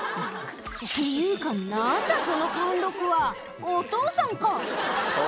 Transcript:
っていうか何だその貫禄はお父さんか！